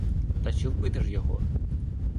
Та чи вбито ж його?